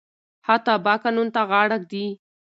ښه تبعه قانون ته غاړه ږدي.